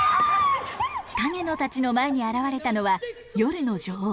カゲノたちの前に現れたのは夜の女王。